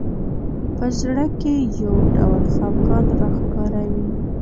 په زړه کې یو ډول خفګان راښکاره وي